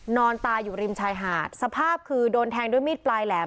นอนตายอยู่ริมชายหาดสภาพคือโดนแทงด้วยมีดปลายแหลม